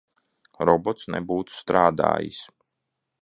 Robots nebūtu strādājis.